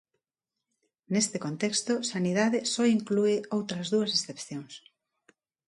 Neste contexto Sanidade só inclúe outras dúas excepción.